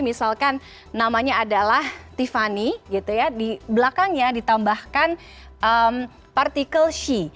misalkan namanya adalah tiffany gitu ya di belakangnya ditambahkan partikel shi